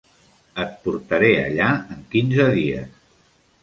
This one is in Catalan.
Et portaré allà en quinze dies.